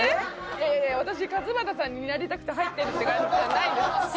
いやいやいや私勝俣さんになりたくて入ってるっていう感じじゃないです。